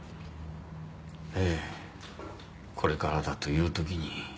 ええこれからだという時に。